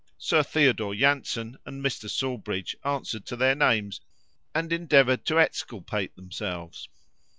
Sir Theodore Janssen and Mr. Sawbridge answered to their names, and endeavoured to exculpate themselves.